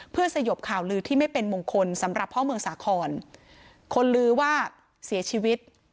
เพื่อสยบข่าวลือที่ไม่เป็นมงคลสำหรับพ่อเมืองสาครคนลือว่าเสียชีวิต